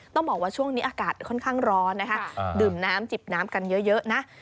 ต้องบอกว่าช่วงนี้อากาศค่อนข้างร้อนนะคะดื่มน้ำจิบน้ำกันเยอะนะ